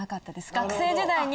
学生時代に。